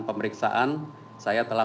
pemeriksaan saya telah